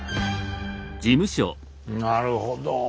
なるほど。